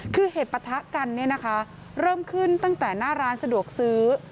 คือเหตุปะทะกันเนี่ยนะคะเริ่มขึ้นตั้งแต่หน้าร้านสะดวกซื้อ